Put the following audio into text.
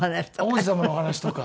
王子様のお話とか？